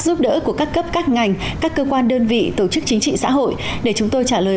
giúp đỡ của các cấp các ngành các cơ quan đơn vị tổ chức chính trị xã hội để chúng tôi trả lời